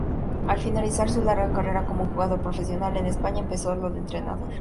Al finalizar su larga carrera como jugador profesional en España, empezó la de entrenador.